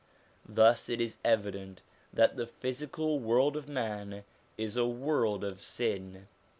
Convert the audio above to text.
Thus it is evident that the physical world of man is a world of sin.